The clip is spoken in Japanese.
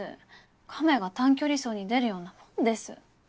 亀が短距離走に出るようなもんです。